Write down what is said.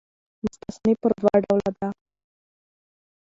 مستثنی پر دوه ډوله ده.